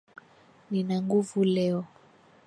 Nina nguvu leo.